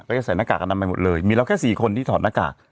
จะใส่หน้ากากอนามัยหมดเลยมีเราแค่๔คนที่ถอดหน้ากาก